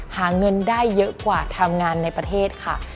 หาเงินได้เยอะกว่าทำงานในประเทศค่ะ